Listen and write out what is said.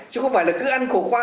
chứ không phải là cứ ăn khổ khoa